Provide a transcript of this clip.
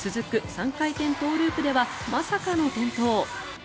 ３回転トウループではまさかの転倒。